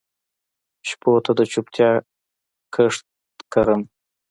شپو ته د چوپتیا کښت کرم